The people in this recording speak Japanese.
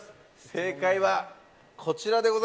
正解は、こちらです。